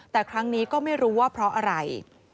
แต่ครั้งนี้ก็ไม่รู้ว่าเพราะอะไร